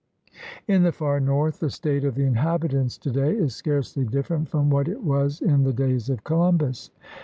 In the far north the state of the inhabitants to day is scarcely different from what it was in the days of Columbus.